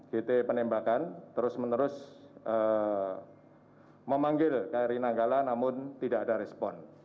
gt penembakan terus menerus memanggil kri nanggala namun tidak ada respon